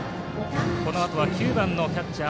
このあとは９番のキャッチャー